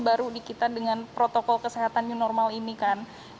baru di kita dengan protokol kesehatan new normal ini kan